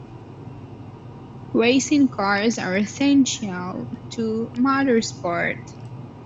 Racing cars are essential to motorsport